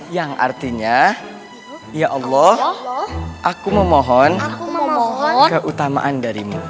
yang artinya ya allah aku memohon keutamaan darimu